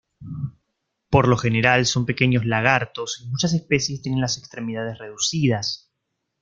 Por lo general son pequeños lagartos y muchas especies tienen las extremidades reducidas.